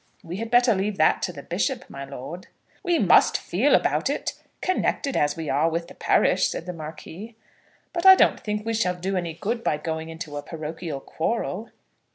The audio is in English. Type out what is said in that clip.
"We had better leave that to the bishop, my lord." "We must feel about it, connected as we are with the parish," said the Marquis. "But I don't think we shall do any good by going into a parochial quarrel."